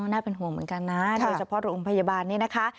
น่าเป็นห่วงเหมือนกันนะโดยเฉพาะโรงพยาบาลนี้นะคะ